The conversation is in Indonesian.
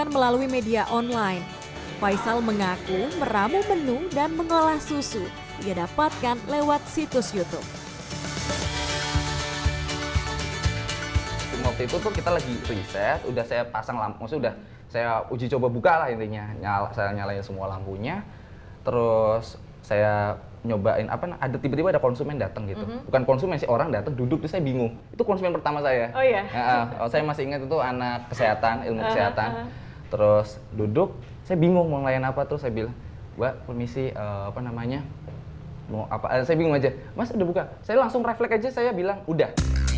mas udah buka saya langsung reflek aja saya bilang udah